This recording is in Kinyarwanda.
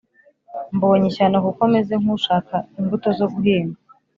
Mbonye ishyano kuko meze nk ushaka imbuto zo guhinga